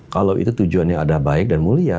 kalau itu tujuannya ada baik dan mulia